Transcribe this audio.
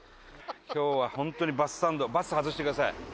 今日は本当に「バスサンド」「バス」外してください。